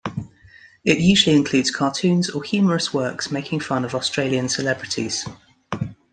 It usually includes cartoons or humorous works making fun of Australian celebrities.